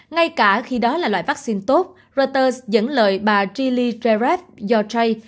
ngay cả khi đó là loại vaccine tốt reuters dẫn lời bà jilly jaref yotray